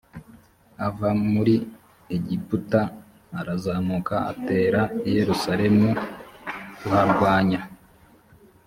ava muri egiputa arazamuka atera i yerusalemu kuharwanya